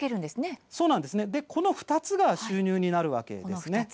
この２つが収入になるわけです。